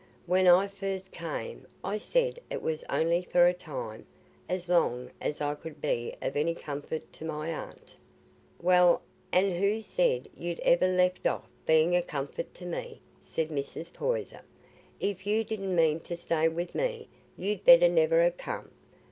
"When I first came, I said it was only for a time, as long as I could be of any comfort to my aunt." "Well, an' who said you'd ever left off being a comfort to me?" said Mrs. Poyser. "If you didna mean to stay wi' me, you'd better never ha' come.